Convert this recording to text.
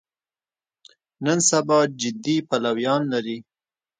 نن سبا جدي پلویان لري.